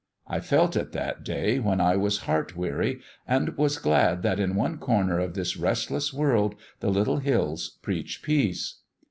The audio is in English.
I felt it that day when I was heart weary, and was glad that in one corner of this restless world the little hills preach peace.